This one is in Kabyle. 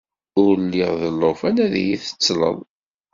Ur lliɣ d llufan ad iyi-tettleḍ!